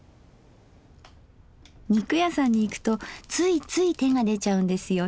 肉屋さんに行くとついつい手が出ちゃうんですよ